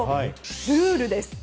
ルールです。